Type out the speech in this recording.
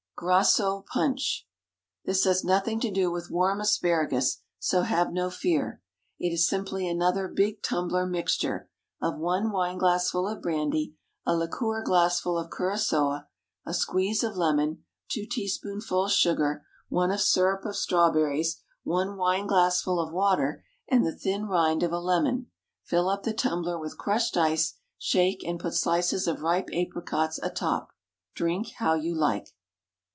Grassot Punch. This has nothing to do with warm asparagus, so have no fear. It is simply another big tumbler mixture, of one wine glassful of brandy, a liqueur glassful of curaçoa, a squeeze of lemon, two teaspoonfuls sugar, one of syrup of strawberries, one wine glassful of water, and the thin rind of a lemon; fill up the tumbler with crushed ice, shake, and put slices of ripe apricots atop. Drink how you like.